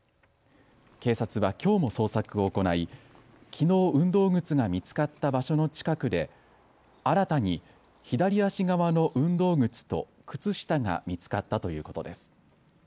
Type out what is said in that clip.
警察はきょうも捜索を行いきのう運動靴が見つかった場所の近くで新たに左足側の運動靴と靴下が見つかったということです。